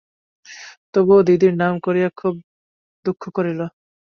তবুও দিদির নাম করিয়া খুব দুঃখ করিল।